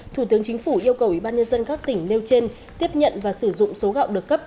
thủ tướng chính phủ yêu cầu ủy ban nhân dân các tỉnh nêu trên tiếp nhận và sử dụng số gạo được cấp